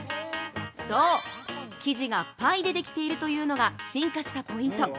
◆そう、生地がパイでできているというのが進化したポイント。